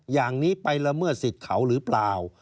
อย่างนี้ไปละเมิดสิทธิ์เขาหรือเปล่า